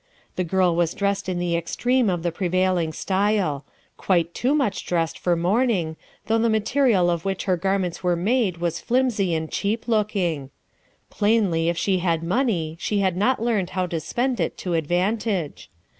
The girl was dressed in the extreme of the prevailing style, — quite too much dressed for morning, though the material of which her garments were made was flimsy and cheap look ing. Plainly if she had money she had not learned how to spend it to advantage.